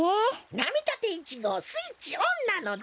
「なみたて１ごう」スイッチオンなのだ。